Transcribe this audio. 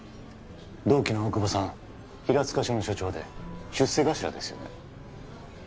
同期の大久保さん平塚署の署長で出世頭ですよね